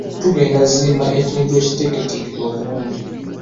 Tugenda kuzimba ekintu ekiteeketeeke obulungi.